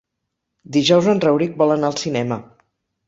Dijous en Rauric vol anar al cinema.